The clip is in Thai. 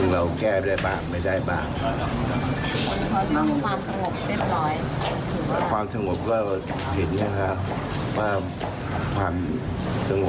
ได้รับความร่วมมือจากประชาชน